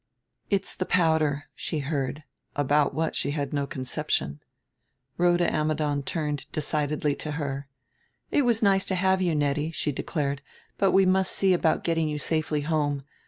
"It's the powder," she heard, about what she had no conception. Rhoda Ammidon turned decidedly to her. "It was nice to have you, Nettie," she declared; "but we must see about getting you safely home.